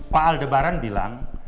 pak aldebaran bilang